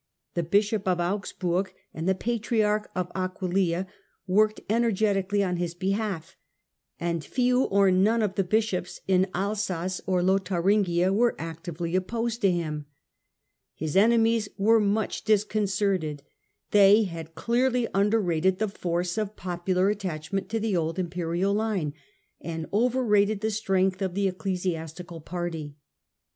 '^ The bishop of Augsburg and the patriarch of Aquileia worked energetically on his behalf, and few or none of the bishops in Elsass or Lotharingia were actively opposed to him. His enemies lirere much disconcerted; they had clearly underrated the force of popular attachment to the old imperial line, and overrated the strength of the ecclesiastical party.